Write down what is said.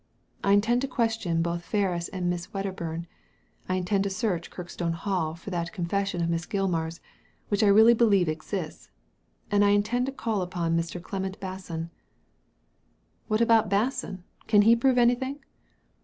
I intend to question both Ferris and Miss Wedderbum, I intend to search Kirkstone Hall for that confession of Miss Gilmar's, which I really beh'eve exists, and I intend to call upon Mr. Clement Basson.*' * What about Basson — can he prove anything